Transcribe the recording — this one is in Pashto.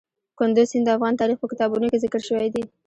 کندز سیند د افغان تاریخ په کتابونو کې ذکر شوی دي.